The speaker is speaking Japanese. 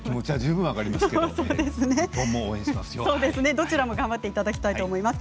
どちらも頑張っていただきたいと思います。